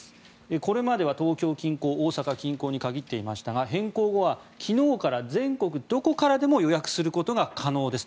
これまでは東京近郊大阪近郊に限っていましたが変更後は昨日から全国どこからでも予約することが可能ですと。